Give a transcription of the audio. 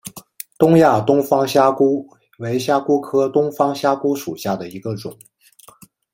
东亚东方虾蛄为虾蛄科东方虾蛄属下的一个种。